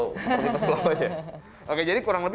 seperti pesulap aja oke jadi kurang lebih